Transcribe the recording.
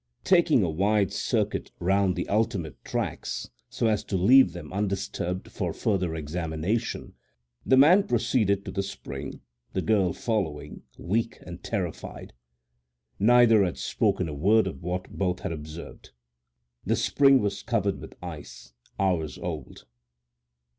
Taking a wide circuit round the ultimate tracks, so as to leave them undisturbed for further examination, the man proceeded to the spring, the girl following, weak and terrified. Neither had spoken a word of what both had observed. The spring was covered with ice, hours old.